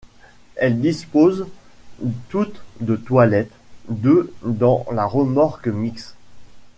Elles disposent toutes de toilettes, deux dans la remorque mixte.